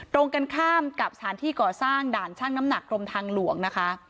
ตรงกันข้ามกับสถานที่ก่อสร้างด่านช่างน้ำหนักกรมทางหลวงนะคะ